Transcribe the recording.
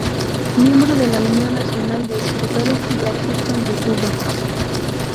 Miembro de la Unión Nacional de Escritores y Artistas de Cuba.